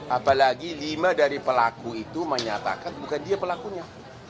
apalagi lima dari pelaku itu menyatakan bukan dia pelakunya